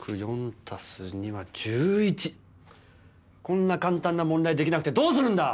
こんな簡単な問題できなくてどうするんだ！